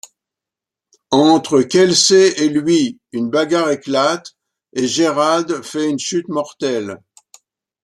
Entre Kelsey et lui, une bagarre éclate et Gérald fait une chute mortelle.